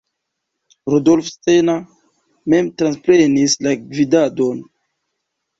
Rudolf Steiner mem transprenis la gvidadon.